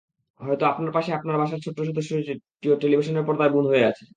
হয়তো আপনার পাশে আপনার বাসার ছোট্ট সদস্যটিও টেলিভিশনের পর্দায় বুঁদ হয়ে আছে।